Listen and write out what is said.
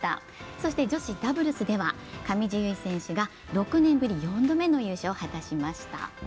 そして女子ダブルスでは上地結衣選手が６年ぶり４度目の優勝を果たしました。